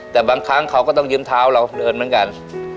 แต่บางครั้งเขาก็ต้องยืมเท้าเราเดินเหมือนกัน